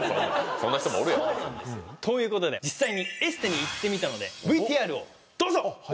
そんな人もおるやろ。ということで実際にエステに行ってみたのでＶＴＲをどうぞ！